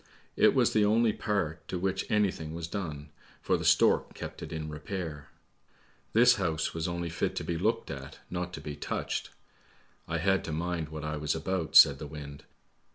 It was the only part to which anything was done, for the stork kept it in repair. " This house was only fit to be looked at, not to be touched. I had to mind what I was about," said the wind.